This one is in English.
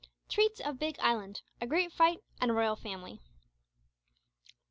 TREATS OF BIG ISLAND A GREAT FIGHT AND A ROYAL FAMILY.